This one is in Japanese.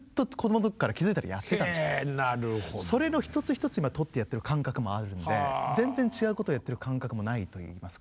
それの一つ一つを今とってやってる感覚もあるんで全然違うことやってる感覚もないといいますか。